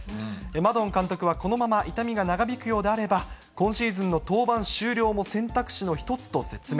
マドン監督は、このまま痛みが長引くようであれば、今シーズンの登板終了も選択肢の一つと説明。